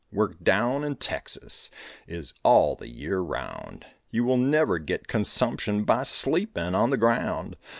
Work down in Texas Is all the year around; You will never get consumption By sleeping on the ground.